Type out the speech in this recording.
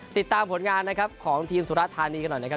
ติดตามผลงานนะครับของทีมสุรธานีกันหน่อยนะครับ